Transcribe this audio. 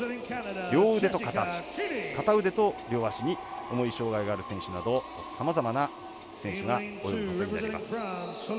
両腕と片足、片腕と両足に重い障がいがある選手などさまざまな選手が泳ぐことになります。